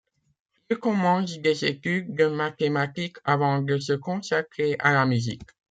Il commence des études de mathématiques avant de se consacrer à la musique.